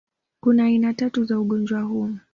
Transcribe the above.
Kuna aina tatu za ugonjwa huu